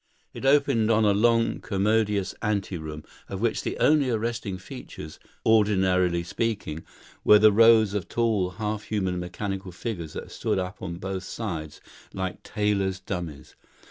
It opened on a long, commodious ante room, of which the only arresting features, ordinarily speaking, were the rows of tall half human mechanical figures that stood up on both sides like tailors' dummies.